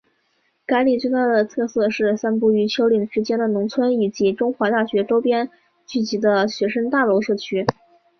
该里最大的特色是散布于丘陵之间的农村以及中华大学周边聚集的学生大楼社区。